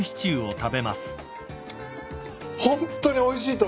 ホントにおいしいと思います。